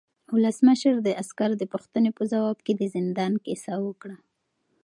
ولسمشر د عسکر د پوښتنې په ځواب کې د زندان کیسه وکړه.